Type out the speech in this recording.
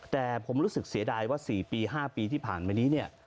แต่ผมรู้สึกเสียดายว่า๔ปี๕ปีที่ผ่านมานี้เนี่ย